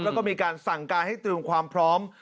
แล้วก็มีการสั่งการให้เตรียมความพร้อม